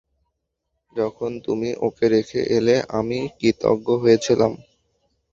যখন তুমি ওকে রেখে এলে, আমি কৃতজ্ঞ হয়েছিলাম।